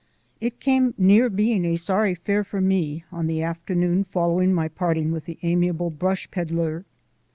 It came near being a sorry fair for me on the afternoon following my parting with the amiable brush peddler.